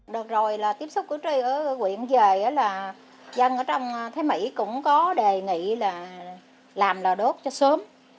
được rồi là tiếp xúc với trời ở quyện về là dân ở trong thái mỹ cũng có đề nghị là làm là đốt cho sớm